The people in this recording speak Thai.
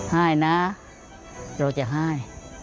ห้ายนะเราจะห้าย